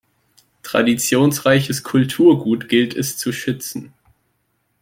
Traditionsreiches Kulturgut gilt es zu schützen.